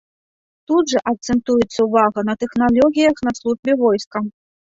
Тут жа акцэнтуецца ўвага на тэхналогіях на службе войска.